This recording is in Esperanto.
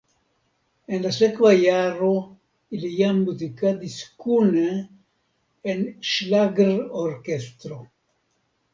En la sekva jaro ili jam muzikadis kune en ŝlagrorkestro.